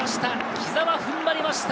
木澤、踏ん張りました。